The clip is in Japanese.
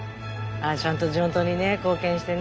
ちゃんと地元に貢献してね。